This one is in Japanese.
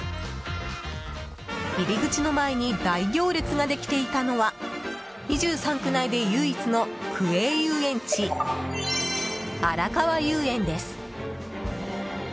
入り口の前に大行列ができていたのは２３区内で唯一の区営遊園地あらかわ遊園です。